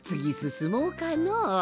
すもうかの。